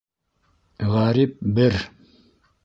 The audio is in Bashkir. Ғәрип бер!